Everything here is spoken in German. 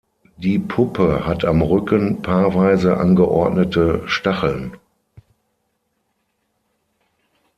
Die Puppe hat am Rücken paarweise angeordnete Stacheln.